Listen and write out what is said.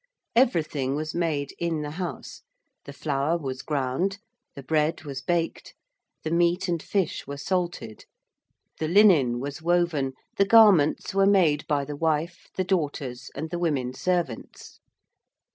Everything was made in the house: the flour was ground, the bread was baked, the meat and fish were salted; the linen was woven, the garments were made by the wife, the daughters, and the women servants.